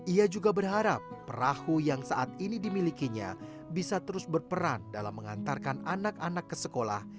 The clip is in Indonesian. ia juga berharap perahu yang saat ini dimilikinya bisa terus berperan dalam mengantarkan anak anak ke sekolah